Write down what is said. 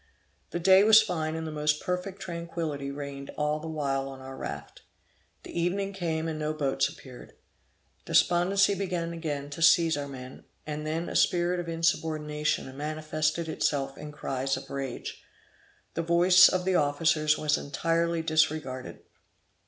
The day was fine, and the most perfect tranquility reigned all the while on our raft. The evening came and no boats appeared. Despondency began again to seize our men, and then a spirit of insubordination manifested itself in cries of rage. The voice of the officers was entirely disregarded.